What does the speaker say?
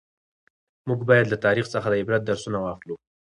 موږ باید له تاریخ څخه د عبرت درسونه واخلو.